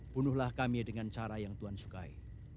bunuhlah kami dengan cara yang tuhan sukai